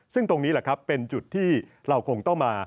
ซึ่งตรงนี้แหละครับเป็นจุดที่เราคงต้องมา